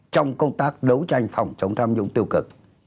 trong công tác đấu tranh phòng chống tham nhũng tiêu cực